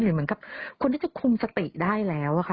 หรือเหมือนกับควรได้คุมสติได้แล้ว